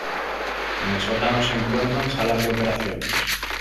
En el sótano se encuentran salas de operaciones.